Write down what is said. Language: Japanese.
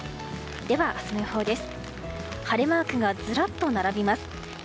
では、明日の予報です。